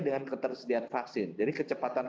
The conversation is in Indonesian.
dengan ketersediaan vaksin jadi kecepatan